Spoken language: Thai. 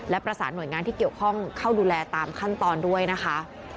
และประสานหน่วยงานที่เกี่ยวข้องเข้าดูแลตามขั้นตอนด้วยนะคะ